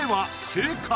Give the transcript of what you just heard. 正解！